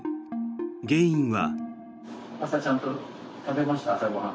原因は。